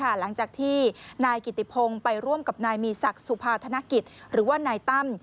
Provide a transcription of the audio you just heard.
หลังจากที่นายกิติพงศ์ไปร่วมกับนายมีศักดิ์สุภาธนกิจหรือว่านายตั้ม